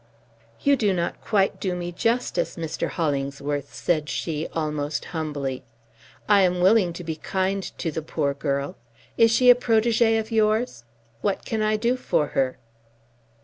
"You do not quite do me justice, Mr. Hollingsworth," said she almost humbly. "I am willing to be kind to the poor girl. Is she a protegee of yours? What can I do for her?"